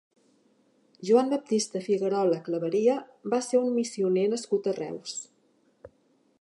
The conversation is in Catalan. Joan Baptista Figuerola Claveria va ser un missioner nascut a Reus.